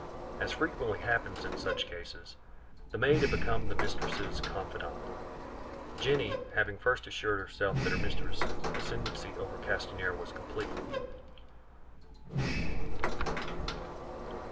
As frequently happens in such cases, the maid had become the mistress's confidante, Jenny having first assured herself that her mistress's ascendancy over Castanier was complete.